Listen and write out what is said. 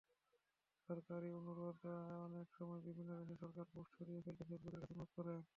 সরকারি অনুরোধঅনেক সময় বিভিন্ন দেশের সরকার পোস্ট সরিয়ে ফেলতে ফেসবুকের কাছে অনুরোধ করেন।